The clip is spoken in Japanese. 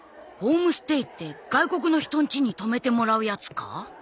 ホームステイって外国の人んちに泊めてもらうやつか。